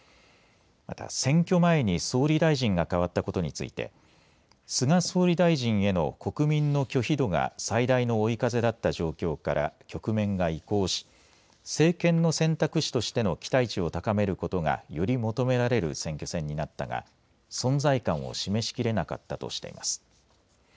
また選挙前に総理大臣が代わったことについて菅総理大臣への国民の拒否度が最大の追い風だった状況から局面が移行し政権の選択肢としての期待値を高めることがより求められる選挙戦になったが存在感を示しきれなかったとしています。